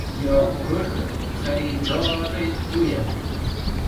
Yo Gũl kharaydor-e tuyam